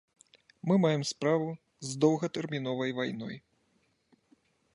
Мы маем справу з доўгатэрміновай вайной.